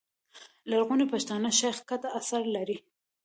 لرغوني پښتانه، شېخ کټه اثر دﺉ.